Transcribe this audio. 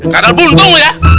kadal buntung lu ya